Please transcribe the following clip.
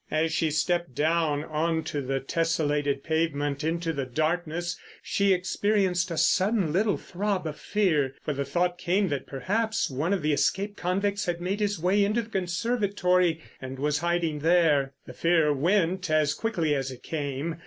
As she stepped down on to the tessellated pavement into the darkness she experienced a sudden little throb of fear. For the thought came that perhaps one of the escaped convicts had made his way into the conservatory and was hiding there. The fear went as quickly as it came.